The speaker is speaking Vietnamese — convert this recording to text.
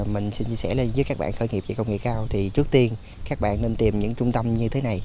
mình xin chia sẻ lên với các bạn khởi nghiệp về công nghệ cao thì trước tiên các bạn nên tìm những trung tâm như thế này